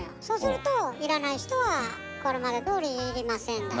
そうすると要らない人はこれまでどおり「要りません」